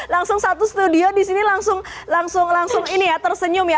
langsung satu studio disini langsung tersenyum ya